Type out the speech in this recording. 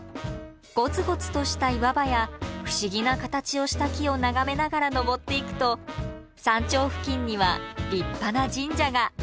ゴツゴツとした岩場や不思議な形をした木を眺めながら登っていくと山頂付近には立派な神社が。